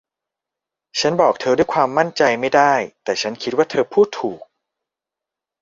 ฉันบอกเธอด้วยความมั่นใจไม่ได้ แต่ฉันคิดว่าเธอพูดถูก